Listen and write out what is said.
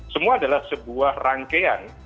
semua adalah sebuah rangkaian